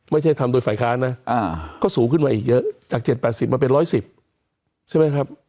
ไม่ใช่ทำโดยฝ่ายค้านนะก็สูงขึ้นมาอีกเยอะจาก๗๘๐มาเป็น๑๑๐ใช่ไหมครับ